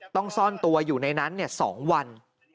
ซ่อนตัวอยู่ในนั้น๒วัน